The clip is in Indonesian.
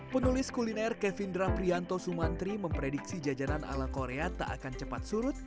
penulis kuliner kevindra prianto sumantri memprediksi jajanan ala korea tak akan cepat surut